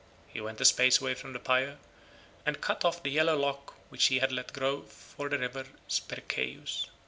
He went a space away from the pyre, and cut off the yellow lock which he had let grow for the river Spercheius.